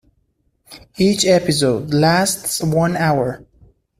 Each episode lasts one hour.